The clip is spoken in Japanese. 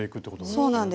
そうなんです。